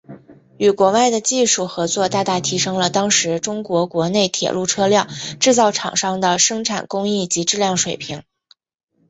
与国外的技术合作大大提升了当时中国国内铁路车辆制造厂商的生产工艺及质量水平。